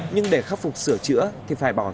nhưng để khắc phục sửa chữa thì phải bỏ xe